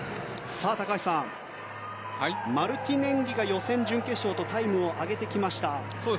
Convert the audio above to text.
高橋さん、マルティネンギが予選、準決勝とタイムを上げてきました。